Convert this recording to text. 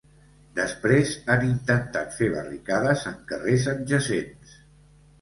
Després, han intentat fer barricades en carrers adjacents.